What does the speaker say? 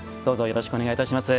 よろしくお願いします。